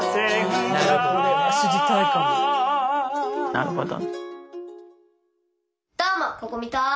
なるほど。